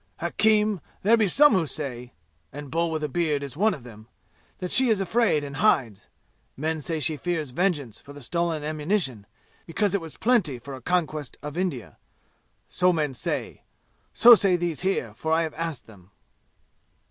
"Hakim, there be some who say and Bull with a beard is one of them that she is afraid and hides. Men say she fears vengeance for the stolen ammunition, because it was plenty for a conquest of India. So men say. So say these here, for I have asked them."